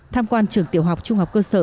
tham quan trường tiểu học trung học cơ sở